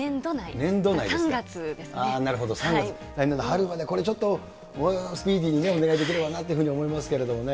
年度内、春まで、これちょっと、スピーディーにね、お願いできればなと思いますけれどもね。